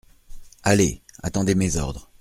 Allez… attendez mes ordres.